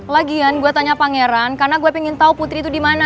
lagian gue tanya pangeran karena gue pengen tahu putri itu dimana